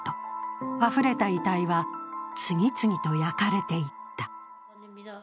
あふれた遺体は次々と焼かれていった。